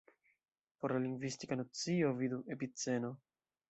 Por la lingvistika nocio, vidu Epiceno.